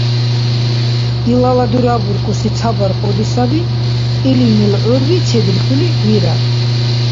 Илала дурабуркӀуси ца баркьуди саби: илини лугӀурби чедирхьули вирар.